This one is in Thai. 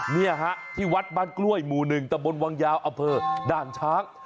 นี่อะฮะที่วัดบานกล้วยหมู่หนึ่งตะบนวางยาวอเผอร์ด้านช่าง